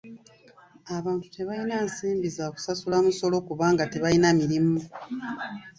Abantu tebalina nsimbi za kusasula musolo kubanga tebalina mirimu.